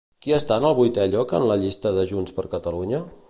Qui està en el vuitè lloc en el llistat de Junts per Catalunya?